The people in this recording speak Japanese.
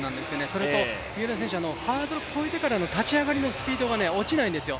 それと、三浦選手、ハードル越えてからの立ち上がりのスピードが落ちないんですよ。